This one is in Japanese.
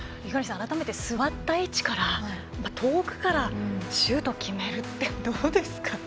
改めて座った位置から遠くからシュートを決めるってどうですか。